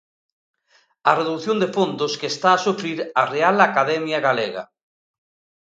A redución de fondos que está a sufrir a Real Academia Galega.